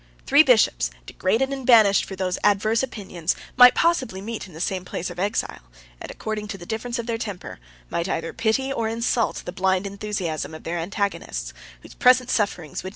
Three bishops, degraded and banished for those adverse opinions, might possibly meet in the same place of exile; and, according to the difference of their temper, might either pity or insult the blind enthusiasm of their antagonists, whose present sufferings would never be compensated by future happiness.